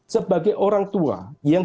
sebagai orang tua yang